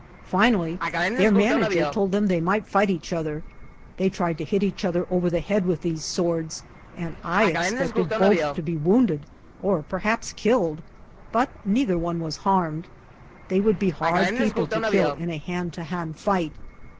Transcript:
Finally their manager told them they might fight each other. They tried to hit each other over the i Turks. 198 AT THE WORLD'S FAIR head with these swords, and I expected both to be wounded or perhaps killed, but neither one was harmed. They would be hard peo ple to kill in a hand to hand fight.